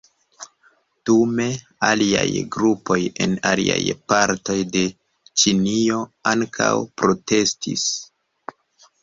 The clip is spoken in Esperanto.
Dume aliaj grupoj en aliaj partoj de Ĉinio ankaŭ protestis.